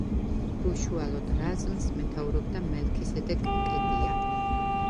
უშუალოდ რაზმს მეთაურობდა მელქისედეკ კედია.